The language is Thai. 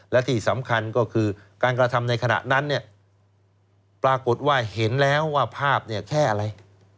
และที่สำคัญก็คือการกระทำในขณะนั้นเนี่ยปรากฏว่าเห็นแล้วว่าภาพเนี่ยแค่อะไร